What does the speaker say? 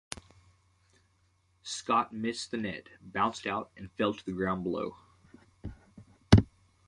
Scott missed the net, bounced out, and fell to the ground below.